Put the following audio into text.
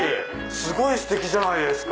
すごいステキじゃないですか。